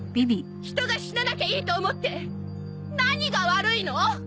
人が死ななきゃいいと思って何が悪いの！？